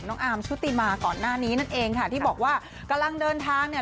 อาร์มชุติมาก่อนหน้านี้นั่นเองค่ะที่บอกว่ากำลังเดินทางเนี่ย